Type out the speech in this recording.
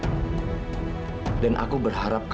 itu sama seperti aku